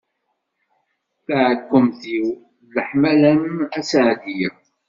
Taɛekkemt-iw d leḥmala-m a Seɛdiya.